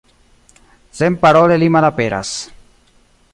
Senparole li malaperas.